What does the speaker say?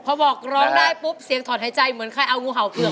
พอบอกร้องได้ปุ๊บเสียงถอดหายใจเหมือนใครเอางูเห่าเผือก